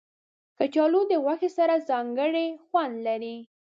کچالو د غوښې سره ځانګړی خوند لري